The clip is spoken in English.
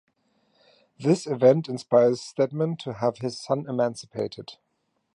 This event inspires Stedman to have his son emancipated.